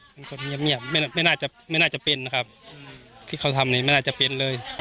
เป็นคนเงียบไม่น่าจะไม่น่าจะเป็นนะครับที่เขาทำเนี่ยไม่น่าจะเป็นเลย